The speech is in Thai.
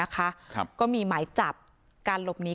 ก็มีหมายจับการหลบหนี